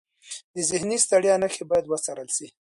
د ذهني ستړیا نښې باید وڅارل شي.